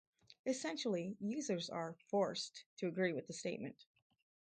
Essentially, users are "forced" to agree with the statement.